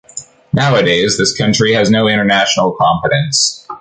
Nowadays, this country has no international competence.